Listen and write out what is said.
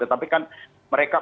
tapi kan mereka